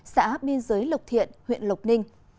xã biên giới lộc thiện huyện lộc ninh